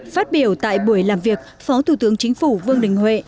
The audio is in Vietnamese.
phát biểu tại buổi làm việc phó thủ tướng chính phủ vương đình huệ